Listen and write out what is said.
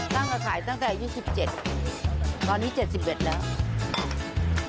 ตั้งแต่ขายตั้งแต่อายุ๑๗ตอนนี้๗๑แล้ว